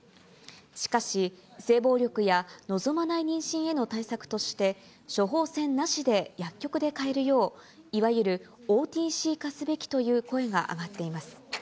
しかし、性暴力や望まない妊娠への対策として、処方箋なしで薬局で買えるよう、いわゆるＯＴＣ化すべきという声が上がっています。